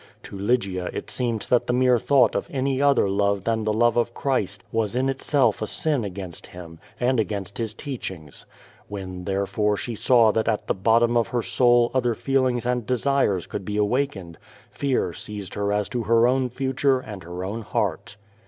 To Lygia it seemed that the mere thought of any other love than the love of Christ was in itself a sin against Him, and against His teachings. When, therefore, slie saw that at the bottom of her soul other feelings and desires could lie awakened, fear seized her as to her own future and her own heart.